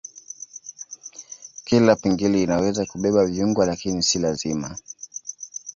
Kila pingili inaweza kubeba viungo lakini si lazima.